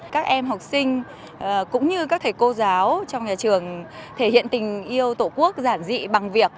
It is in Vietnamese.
các em học sinh cũng như các thầy cô giáo trong nhà trường thể hiện tình yêu tổ quốc giản dị bằng việc